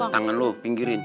tangan lu pinggirin